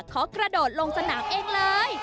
กระโดดลงสนามเองเลย